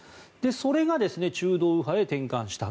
それが中道右派へ転換した。